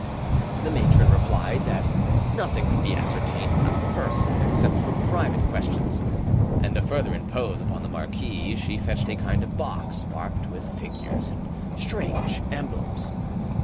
The matron replied that nothing could be ascertained about a person except from private questions; and to further impose upon the marquis, she fetched a kind of box marked with figures and strange emblems.